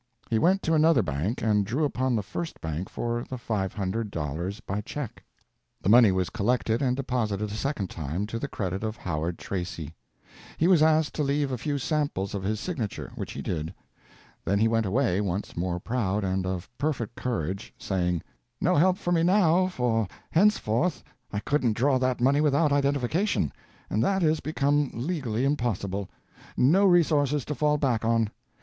He went to another bank and drew upon the first bank for the $500 by check. The money was collected and deposited a second time to the credit of Howard Tracy. He was asked to leave a few samples of his signature, which he did. Then he went away, once more proud and of perfect courage, saying: "No help for me now, for henceforth I couldn't draw that money without identification, and that is become legally impossible. No resources to fall back on.